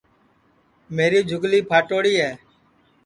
میری جھُگلی پھاٹوڑی ہے